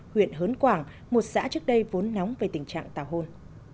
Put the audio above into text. huyện hớn quảng một xã trước đây vốn nóng về tình trạng tàu hôn